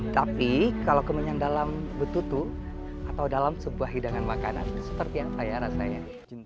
tapi kalau kemenyan dalam petutu atau dalam sebuah hidangan makanan seperti yang saya rasanya